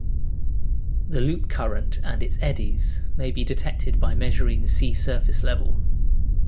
The Loop Current and its eddies may be detected by measuring sea surface level.